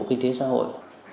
kinh tế xã hội